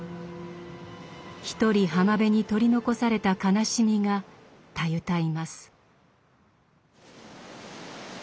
一人浜辺に取り残された悲しみがたゆたいます。